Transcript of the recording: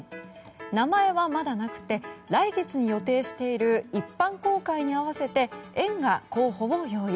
名前はまだなくて来月に予定している一般公開に合わせて園が候補を用意。